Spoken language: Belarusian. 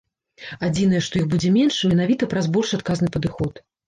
Адзінае, што іх будзе менш, менавіта праз больш адказны падыход.